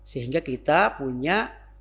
sehingga kita punya